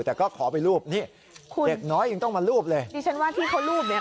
แต่ก็ขอไปรูปนี่คุณเด็กน้อยยังต้องมารูปเลยดิฉันว่าที่เขารูปเนี้ย